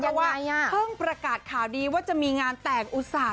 เพราะว่าเพิ่งประกาศข่าวดีว่าจะมีงานแต่งอุตส่าห